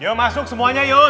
ayo masuk semuanya yuk